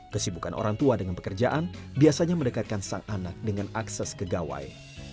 kesibukan orang tua dengan pekerjaan biasanya mendekatkan sang anak dengan akses ke gawai